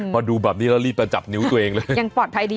พอดูแบบนี้แล้วรีบมาจับนิ้วตัวเองเลยยังปลอดภัยดี